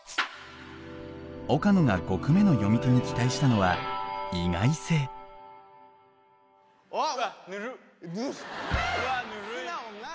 岡野が５句目の詠み手に期待したのはわっぬるっ。